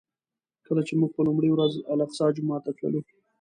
کله چې موږ په لومړي ورځ الاقصی جومات ته تللو.